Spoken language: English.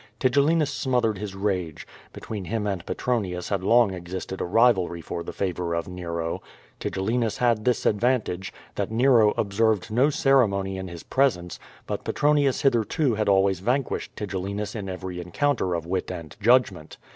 Tigellinus smothered his rage. Between him and Petronius had long existed a rivalry for the favor of Nero. Tigellinus had this advantage, that Nero observed no ceremony in his presence, but Petronius hitherto had always vanquished Tigellinus in every encounter of wit and judgment.